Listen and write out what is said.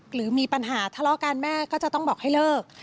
หรือมีปัญหาทะเลาะกันแม่ก็จะต้องบอกให้เลิก